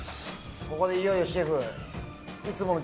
ここでいよいよシェフいつもの。